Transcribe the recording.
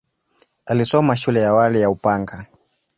Alisoma shule ya awali ya Upanga.